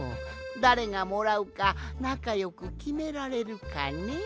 だれがもらうかなかよくきめられるかね？